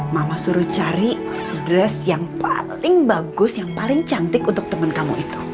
mama suruh cari dress yang paling bagus yang paling cantik untuk temen kamu itu